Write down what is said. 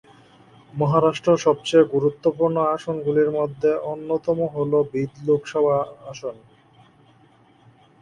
মহারাষ্ট্র সবচেয়ে গুরুত্বপূর্ণ আসনগুলির মধ্যে অন্যতম হল বিদ লোকসভা আসন।